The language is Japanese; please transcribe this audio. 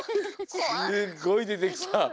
すっごいでてきた。